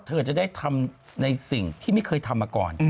เธอจะได้ทำในสิ่งที่ไม่เคยทำมาก่อน